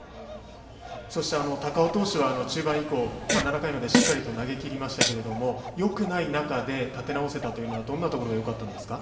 そして、高尾投手は中盤以降７回までしっかりと投げきりましたがよくない中で立て直せたのはどんなところがよかったんですか。